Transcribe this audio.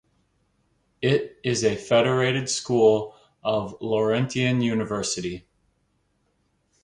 It is a federated school of Laurentian University.